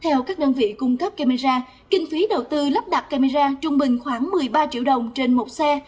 theo các đơn vị cung cấp camera kinh phí đầu tư lắp đặt camera trung bình khoảng một mươi ba triệu đồng trên một xe